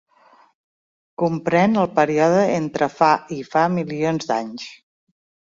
Comprèn el període entre fa i fa milions d'anys.